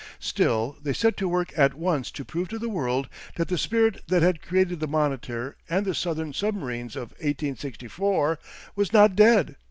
Still they set to work at once to prove to the world that the spirit that had created the Monitor and the Southern submarines of 1864 was not dead.